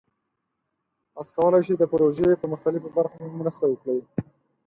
تاسو کولی شئ د پروژې په مختلفو برخو کې مرسته وکړئ.